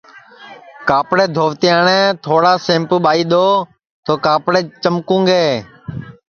کاپڑے دھووَتے ئاٹؔیں تھوڑا سیمپُو ٻائی دؔو تو کاپڑے چمکُوں گے